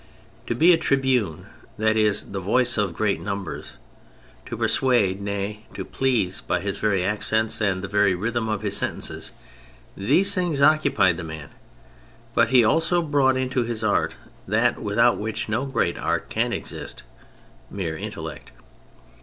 To be a tribune, that is the voice of great numbers, to persuade, nay, to please by his very accents and the very rhythm of his sentences, these things occupied the man; but he also brought into his art that without which no great art can exist : mere intellect.